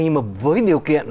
nhưng mà với điều kiện